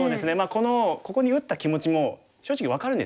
このここに打った気持ちも正直分かるんですよね。